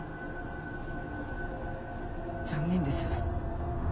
残念です。